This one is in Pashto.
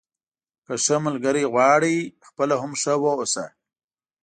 که ښه ملګری غواړئ خپله هم ښه واوسه.